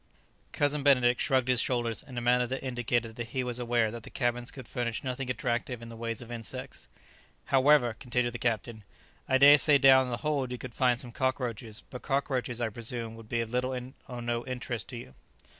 Cousin Benedict shrugged his shoulders in a manner that indicated that he was aware that the cabins could furnish nothing attractive in the way of insects. "However," continued the captain, "I dare say down in the hold you could find some cockroaches; but cockroaches, I presume, would be of little or no interest to you."